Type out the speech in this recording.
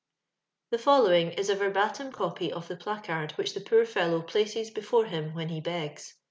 " The following is a verbatim copy of the placard which the poor fellow places before him when he begs.